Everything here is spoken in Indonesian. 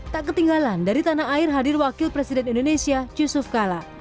tak ketinggalan dari tanah air hadir wakil presiden indonesia yusuf kala